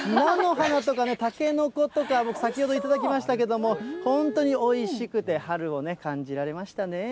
菜の花とかね、タケノコとか、僕先ほど頂きましたけれども、本当においしくて、春をね、感じられましたね。